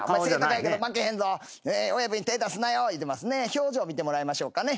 表情見てもらいましょうかね。